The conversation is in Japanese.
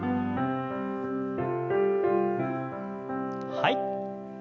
はい。